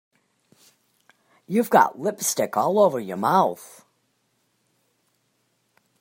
You've got lipstick all over your mouth.